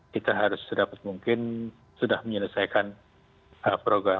kita harus mungkin sudah menyelesaikan programnya